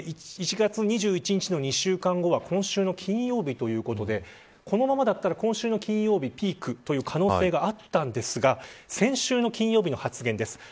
１月２１日の２週間後は今週金曜日ということでこのままだと今週金曜日がピークの可能性がありましたが先週金曜日の発言です。